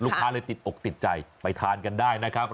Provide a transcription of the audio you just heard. เลยติดอกติดใจไปทานกันได้นะครับ